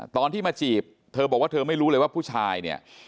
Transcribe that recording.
ตอนที่มาจีบเธอบอกว่าเธอไม่รู้เลยว่าผู้ชายเนี่ย